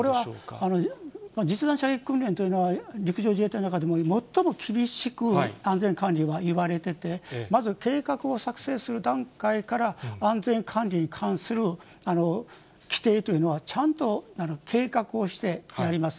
これは実弾射撃訓練というのは、陸上自衛隊の中でも最も厳しく安全管理は言われてて、まず計画を作成する段階から、安全管理に関する規定というのはちゃんと計画をしてやります。